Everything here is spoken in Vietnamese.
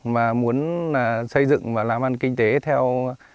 mà muốn xây dựng và làm ăn kinh tế theo